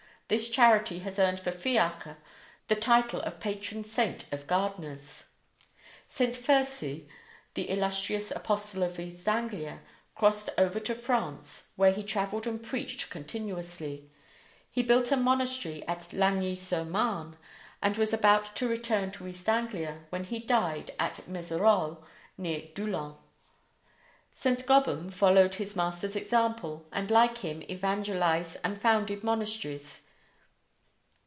This charity has earned for Fiacre the title of patron saint of gardeners. St. Fursey, the illustrious apostle of East Anglia, crossed over to France, where he travelled and preached continuously. He built a monastery at Lagny sur Marne, and was about to return to East Anglia when he died at Mézerolles, near Doullens. St. Gobham followed his master's example, and like him evangelized and founded monasteries.